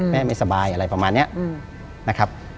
แม่ไม่สบายอะไรแบบนี้นะครับ